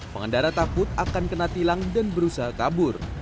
pengendara takut akan kena tilang dan berusaha kabur